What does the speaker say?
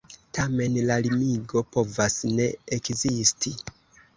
Tamen, la limigo povas ne ekzisti.